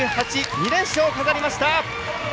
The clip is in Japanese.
２連勝を飾りました！